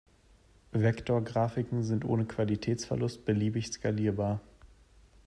Vektorgrafiken sind ohne Qualitätsverlust beliebig skalierbar.